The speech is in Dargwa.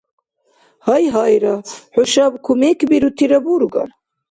Гьайгьайра, хӀушаб кумекбирутира бургар?